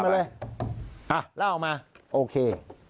แล้วเอามาโอเค